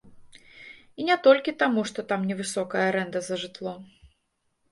І не толькі таму што там невысокая арэнда за жытло.